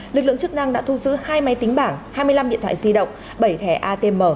lực lượng chức năng đã thu giữ hai máy tính bảng hai mươi năm điện thoại di động bảy thẻ atm